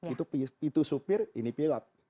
itu supir ini pilat